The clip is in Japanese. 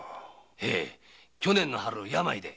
ヘイ去年の春病で。